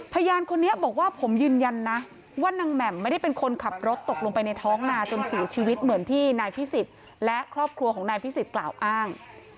พยานคนนี้บอกว่าผมยืนยันนะว่านางแหม่มไม่ได้เป็นคนขับรถตกลงไปในท้องนาจนเสียชีวิตเหมือนที่นายพิสิทธิ์และครอบครัวของนายพิสิทธิกล่าวอ้าง